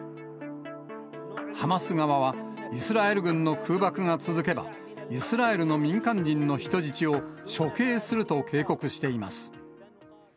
ハマス側は、イスラエル軍の空爆が続けば、イスラエルの民間人の人質を処刑すると警告しています。